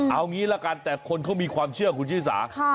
เอางี้ละกันแต่คนเขามีความเชื่อคุณชิสา